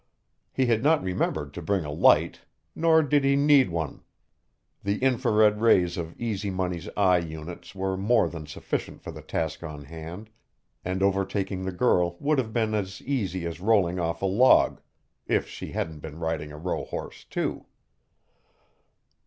He had not remembered to bring a light, nor did he need one. The infra red rays of Easy Money's eye units were more than sufficient for the task on hand, and overtaking the girl would have been as easy as rolling off a log if she hadn't been riding a rohorse, too.